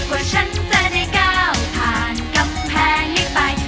ว่าฉันจะได้ก้าวผ่านกำแพงให้ไป